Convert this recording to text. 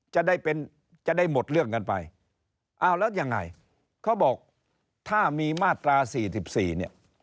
จะได้เป็นจะได้หมดเรื่องกันไปอ้าวแล้วยังไงเขาบอกถ้ามีมาตรา๔๔เนี่ย